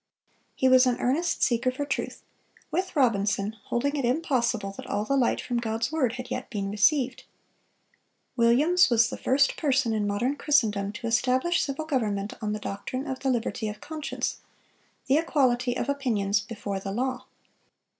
He was an earnest seeker for truth, with Robinson holding it impossible that all the light from God's word had yet been received. Williams "was the first person in modern Christendom to establish civil government on the doctrine of the liberty of conscience, the equality of opinions before the law."